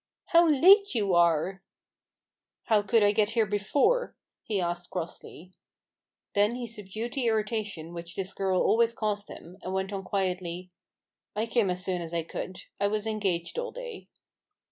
" How late you are !"" How could I get here before ?" he asked crossly. Then he subdued the irritation which this girl always caused him, and went on quietly : 11 I came as soon as I could. I was engaged all day."